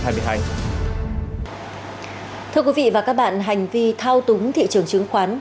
thưa quý vị và các bạn hành vi thao túng thị trường chứng khoán